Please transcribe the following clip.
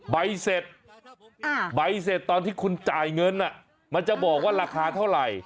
ใบเสร็จใบเสร็จตอนที่คุณจ่ายเงินมันจะบอกว่าราคาเท่าไหร่